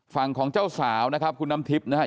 ฝั่งของเจ้าสาวนะครับคุณน้ำทิพย์นะครับ